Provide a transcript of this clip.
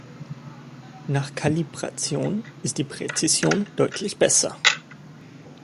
Nach Kalibration ist die Präzision deutlich besser.